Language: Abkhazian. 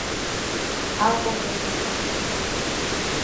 Аҟәа гатәуп.